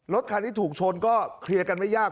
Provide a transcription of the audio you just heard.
รถคันที่ถูกชนก็เคลียร์กันไม่ยาก